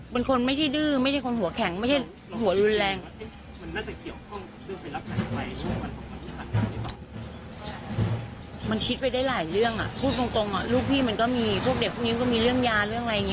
เราก็ไม่รู้แม่ว่ามันเกิดอะไรขึ้น